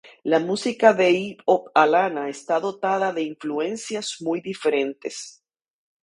La música de Eve of Alana está dotada de influencias muy diferentes.